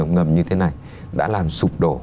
ngầm như thế này đã làm sụp đổ